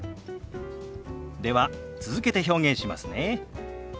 では続けて表現しますね。